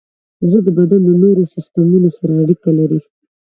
زړه د بدن د نورو سیستمونو سره اړیکه لري.